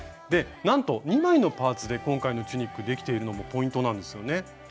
でなんと２枚のパーツで今回のチュニックできているのもポイントなんですよね。